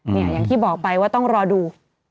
อย่างที่บอกไปว่าต้องรอดู